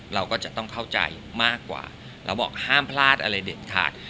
เราก็จะต้องเข้าใจมากกว่าเราบอกห้ามพลาดอะไรเด็ดขาด